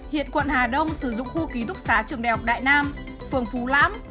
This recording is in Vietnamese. hiện quận hà đông sử dụng khu ký túc xá trường đại học đại nam phường phú lãm